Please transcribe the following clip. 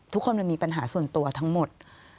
ทุกคนมันมีปัญหาส่วนตัวทั้งหมด